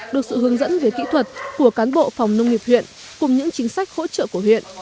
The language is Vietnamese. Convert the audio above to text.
được sự hướng dẫn về kỹ thuật của cán bộ phòng nông nghiệp huyện cùng những chính sách hỗ trợ của huyện